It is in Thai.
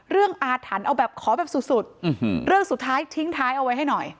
อาถรรพ์เอาแบบขอแบบสุดเรื่องสุดท้ายทิ้งท้ายเอาไว้ให้หน่อย